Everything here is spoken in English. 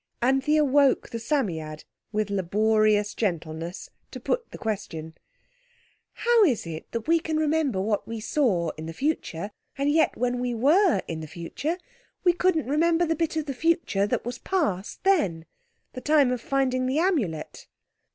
_" Anthea woke the Psammead with laborious gentleness to put the question. "How is it we can remember what we saw in the future, and yet, when we were in the future, we could not remember the bit of the future that was past then, the time of finding the Amulet?"